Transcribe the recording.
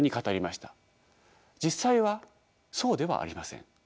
実際はそうではありません。